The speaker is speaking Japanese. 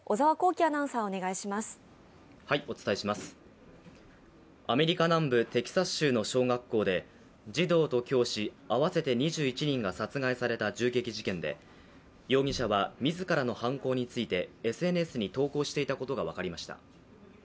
アメリカ南部テキサス州の小学校で児童と教師合わせて２１人が殺害された銃撃事件で容疑者は自らの犯行についてＳＮＳに投稿していたことが分かりました。